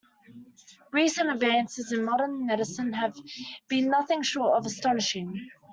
Recent advances in modern medicine have been nothing short of astonishing.